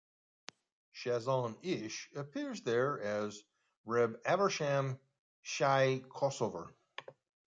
Chazon Ish appears there as Reb Avraham-Shaye Kosover.